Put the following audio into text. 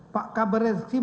pak kabaret tim